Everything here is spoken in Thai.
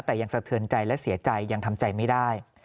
แต่ยังสะเทือนใจและเสียใจยังทำใจไม่ได้